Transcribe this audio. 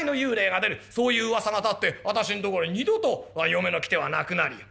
そういう噂が立って私んところに二度と嫁の来手はなくなるよ。